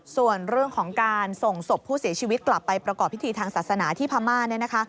ส่วนเรื่องของการส่งศพผู้เสียชีวิตกลับไปประกอบพิธีทางศาสนาที่พม่าเนี่ยนะคะ